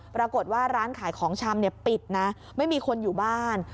ปรากฏว่าร้านขายของชำปิดนะไม่มีคนอยู่บ้าน